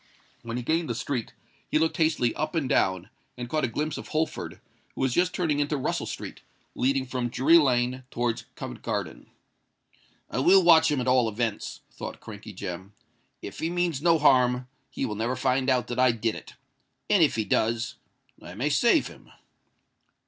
When he gained the street, he looked hastily up and down, and caught a glimpse of Holford, who was just turning into Russell Street, leading from Drury Lane towards Covent Garden. "I will watch him at all events," thought Crankey Jem. "If he means no harm, he will never find out that I did it; and if he does, I may save him."